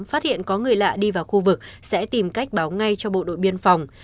phát hiện có người lạ đi vào khu vực sẽ tìm cách báo ngay cho bộ đội biên phòng